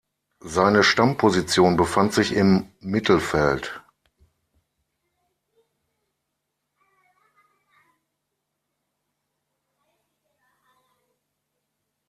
Seine Stammposition befand sich im Mittelfeld.